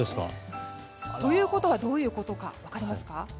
ということはどういうことか分かりますか？